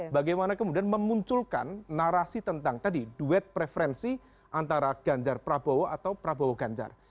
bagaimana kemudian memunculkan narasi tentang tadi duet preferensi antara ganjar prabowo atau prabowo ganjar